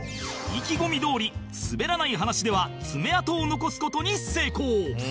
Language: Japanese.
意気込みどおり『すべらない話』では爪痕を残す事に成功